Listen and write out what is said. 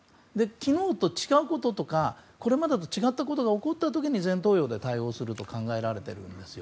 昨日と違うこととかこれまでと違ったことが起こった時に前頭葉で対応すると考えられているんです。